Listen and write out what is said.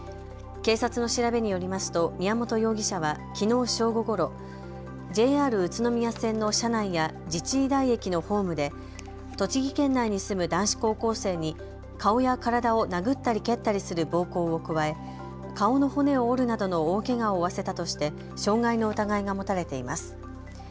警察の調べによりますと宮本容疑者はきのう正午ごろ、ＪＲ宇都宮線の車内や自治医大駅のホームで栃木県内に住む男子高校生に顔や体を殴ったり蹴ったりする暴行を加え顔の骨を折るなどの大けがを負わせたとして傷害の疑いが持たれています。